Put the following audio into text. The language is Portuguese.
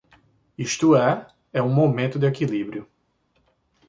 Isto é, é um momento de equilíbrio.